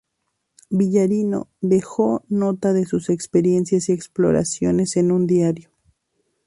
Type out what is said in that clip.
Villarino dejó nota de sus experiencias y exploraciones en un diario.